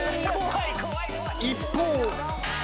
一方。